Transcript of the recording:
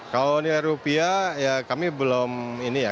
kalau nilai rupiah ya kami belum ini ya